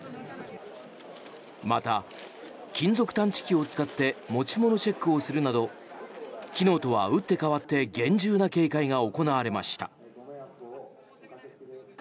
また、金属探知機を使って持ち物チェックをするなど昨日とは打って変わって厳重な警戒が行われました。